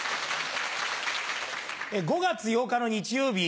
５月８日の日曜日